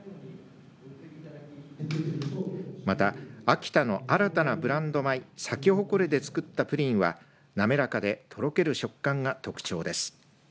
また、秋田の新たなブランド米サキホコレで作ったプリンは滑らかでとろける食感が特徴です。